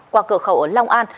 qua cửa khẩu ở long an